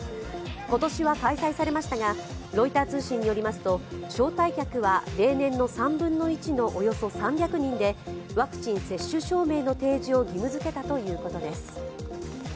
今年は開催されましたが、ロイター通信によりますと招待客は例年の３分の１のおよそ３００人で、ワクチン接種証明の提示を義務づけたということです。